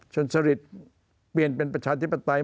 ชนสริตเปลี่ยนเป็นประชาธิปไตย